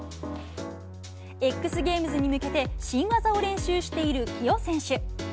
ＸＧａｍｅｓに向けて新技を練習している起生選手。